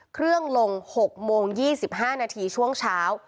เครื่องลง๖โมง๒๕นาทีช่วงเช้า